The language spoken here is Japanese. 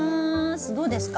どうですか？